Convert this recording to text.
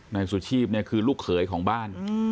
นายสุชีพคือลูกเขยของบ้าน